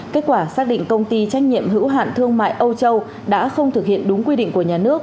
kết quả xác định công ty trách nhiệm hữu hạn thương mại âu châu đã không thực hiện đúng quy định của nhà nước